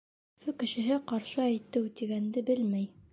Өфө кешеһе ҡаршы әйтеү тигәнде белмәй.